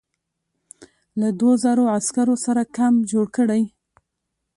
له دوو زرو عسکرو سره کمپ جوړ کړی.